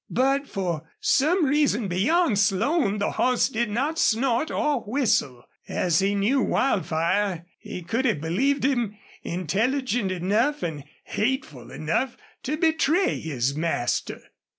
But for some reason beyond Slone the horse did not snort or whistle. As he knew Wildfire he could have believed him intelligent enough and hateful enough to betray his master.